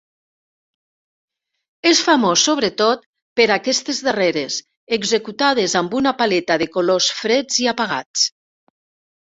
És famós sobretot per aquestes darreres, executades amb una paleta de colors freds i apagats.